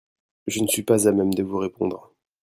Je ne suis pas à même de vous répondre.